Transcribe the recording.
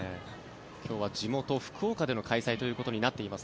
今日は地元・福岡での開催ということになっています。